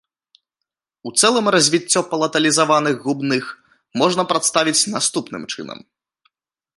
У цэлым развіццё палаталізаваных губных можна прадставіць наступным чынам.